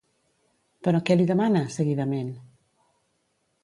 Però què li demana, seguidament?